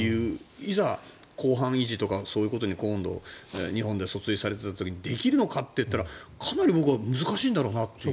いざ、公判維持とか今度、日本で訴追された時にできるのかというとかなり僕は難しいんだろうなという。